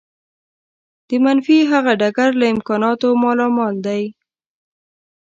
د منفي هغه ډګر له امکاناتو مالامال دی.